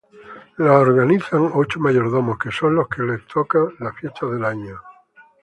Lo organizan ocho mayordomos, que son los que les tocan las fiestas del año.